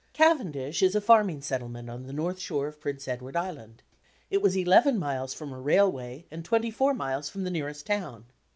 Cavendish is a farming settlement on the north shore of Prince Edward Island. It was eleven miles from a railway and twenty four miles from the nearest town.